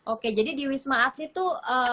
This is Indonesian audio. oke jadi di wisma atlet itu kira kira seperti apa